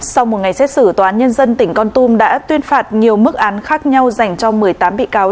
sau một ngày xét xử tòa án nhân dân tỉnh con tum đã tuyên phạt nhiều mức án khác nhau dành cho một mươi tám bị cáo